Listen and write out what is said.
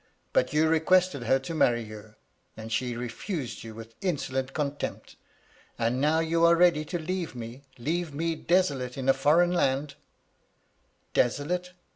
But you requested her to marry you, — ^and she refused you with insolent con tempt ; and now you are ready to leave me,— leave me desolate in a foreign land —^"* Desolate